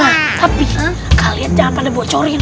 nah tapi kalian jawabannya bocorin